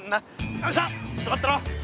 よいしょちょっと待ってろ。